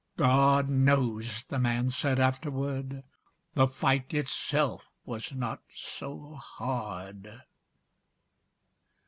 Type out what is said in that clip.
"God knows," the man said afterward, "The fight itself was not so hard."